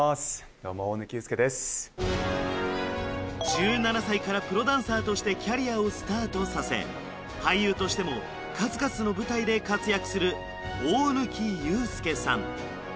どうも１７歳からプロダンサーとしてキャリアをスタートさせ俳優としても数々の舞台で活躍する大貫勇輔さん